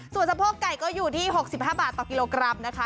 ส่วนสะโพกไก่ก็อยู่ที่๖๕บาทต่อกิโลกรัมนะคะ